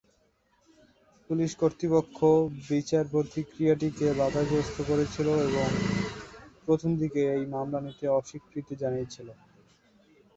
Police কর্তৃপক্ষ বিচার প্রক্রিয়াটিকে বাধাগ্রস্ত করেছিল এবং প্রথমদিকে এই মামলা নিতে অস্বীকৃতি জানিয়েছিল।